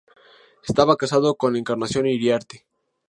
Estaba casado con Encarnación Iriarte.